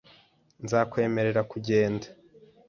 Nzakwemerera kugenda .